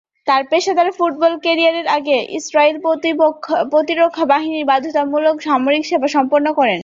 তার পেশাদার ফুটবল ক্যারিয়ারের আগে ইসরায়েল প্রতিরক্ষা বাহিনীতে বাধ্যতামূলক সামরিক সেবা সম্পন্ন করেন।